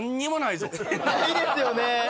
ないですよね！